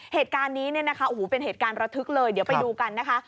เหตุการณ์นี้เป็นเหตุการณ์ระทึกเลยเดี๋ยวไปดูกันนะคะ